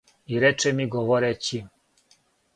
и рече ми говорећи